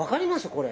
これ。